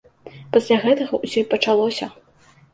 Пасля гэтага ўсё і пачалося.